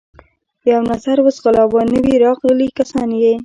یو نظر و ځغلاوه، نوي راغلي کسان یې.